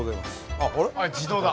あ自動だ。